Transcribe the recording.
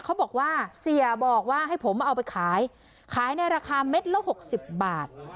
เขาบอกว่าเสียบอกว่าให้ผมเอาไปขายขายในราคาเม็ดละ๖๐บาท